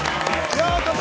ようこそ！